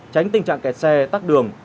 tránh tình trạng kẹt xe tắt đường